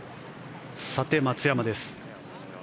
さて、松山です。